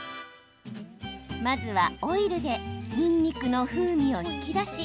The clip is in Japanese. まずは、オイルでにんにくの風味を引き出し